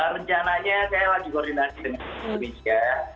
rencananya saya lagi koordinasi dengan indonesia